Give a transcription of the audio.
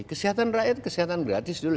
kesehatan rakyat kesehatan gratis dulu